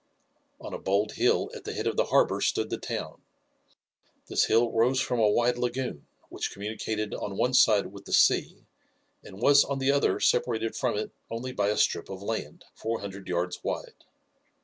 On a bold hill at the head of the harbour stood the town. This hill rose from a wide lagoon, which communicated on one side with the sea, and was on the other separated from it only by a strip of land, four hundred yards wide.